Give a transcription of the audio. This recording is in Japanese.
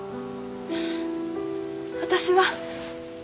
私は。